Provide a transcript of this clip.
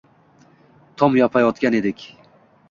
Tom yopayotgan edik.